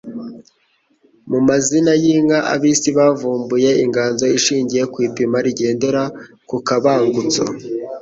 Mu mazina y'inka abisi bavumbuye inganzo ishingiye ku ipima rigendera ku kabangutso.